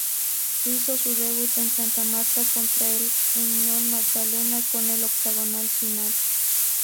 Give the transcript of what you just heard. Hizo su debut en Santa Marta contra el Unión Magdalena en el octogonal final.